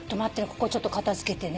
ここちょっと片付けてね。